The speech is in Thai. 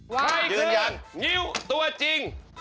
ใครคือนิ้วตัวจริง